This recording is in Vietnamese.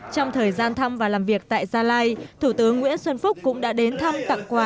trong thời gian thăm và làm việc tại gia lai thủ tướng nguyễn xuân phúc cũng đã đến thăm tặng quà